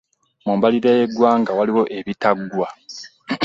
Mu mbalirira eyaggwa waliwo ebitaggwa.